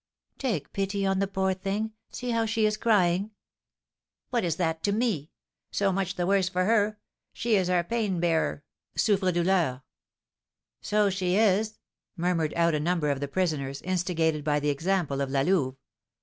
"Take pity on the poor thing, see how she is crying!" "What is that to me? So much the worse for her; she is our pain bearer" (souffre douleur). "So she is," murmured out a number of the prisoners, instigated by the example of La Louve.